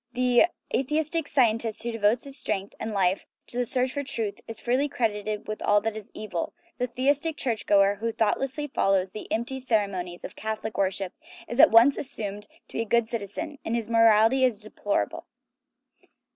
The atheistic scientist who devotes his strength and his life to the search for the truth, is freely credited with all that is evil; the theistic church goer, who thoughtlessly fol lows the empty ceremonies of Catholic worship, is at once assumed to be a good citizen, even if there be no meaning whatever in his faith and his morality be de plorable.